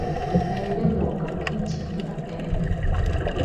你要一路咁堅持都得嘅